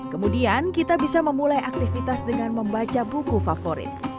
kemudian kita bisa memulai aktivitas dengan membaca buku favorit